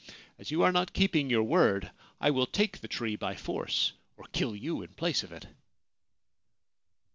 As you are not keeping your word, I will take the tree by force, or kill you in place of it.'